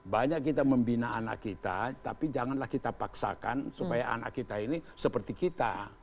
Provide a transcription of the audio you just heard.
banyak kita membina anak kita tapi janganlah kita paksakan supaya anak kita ini seperti kita